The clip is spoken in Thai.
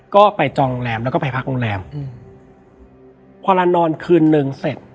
ก็ไปจองโรงแรมแล้วก็ไปพักโรงแรมอืมพอเรานอนคืนนึงเสร็จ